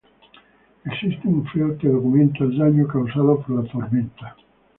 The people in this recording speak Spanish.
Existe un film que documenta el daño causado por la tormenta.